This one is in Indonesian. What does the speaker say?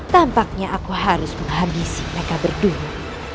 tampaknya aku harus menghabisi mereka berdua